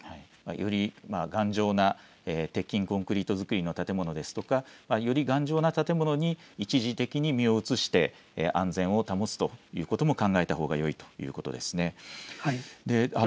より頑丈な鉄筋コンクリート造りの建物ですとか、より頑丈な建物に一時的に身を移して安全を保つということも考えたほうがよいということですね。